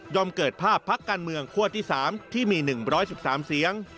เกิดภาพพักการเมืองคั่วที่๓ที่มี๑๑๓เสียง